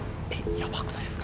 ヤバくないですか？